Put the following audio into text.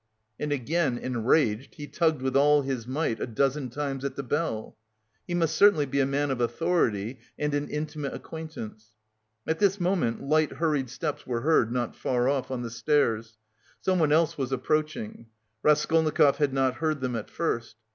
And again, enraged, he tugged with all his might a dozen times at the bell. He must certainly be a man of authority and an intimate acquaintance. At this moment light hurried steps were heard not far off, on the stairs. Someone else was approaching. Raskolnikov had not heard them at first.